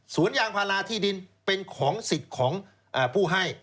ยางพาราที่ดินเป็นของสิทธิ์ของผู้ให้